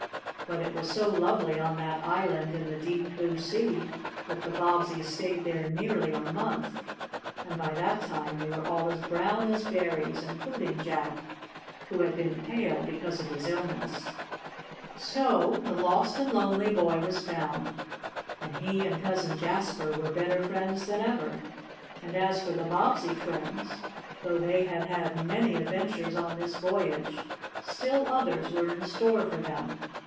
But it was so lovely on that island in the deep, blue sea that the Bobbseys stayed there nearly a month, and by that time they were all as brown as berries, including Jack, who had been pale because of his illness. So the lost and lonely boy was found, and he and Cousin Jasper were better friends than ever. And as for the Bobbsey twins, though they had had many adventures on this voyage, still others were in store for them.